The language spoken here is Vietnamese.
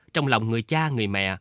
trong lòng người cha người mẹ